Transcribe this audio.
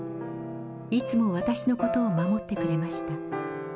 いつも私のことを守ってくれました。